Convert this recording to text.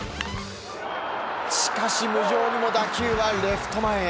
しかし無情にも打球はレフト前へ。